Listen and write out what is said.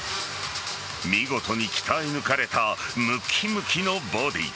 見事に鍛え抜かれたムキムキのボディー。